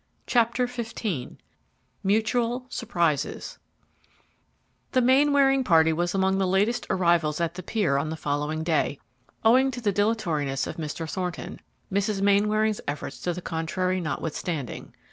CHAPTER XV MUTUAL SURPRISES The Mainwaring party was among the latest arrivals at the pier on the following day, owing to the dilatoriness of Mr. Thornton, Mrs. Mainwaring's efforts to the contrary notwithstanding.